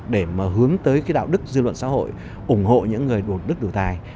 để mà hướng tới cái đạo đức dư luận xã hội ủng hộ những người đủ đức đủ tài